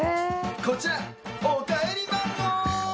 こちら、おかえりマンゴー！